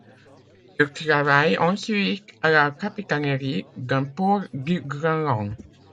Il travaille ensuite à la capitainerie d'un port du Groenland.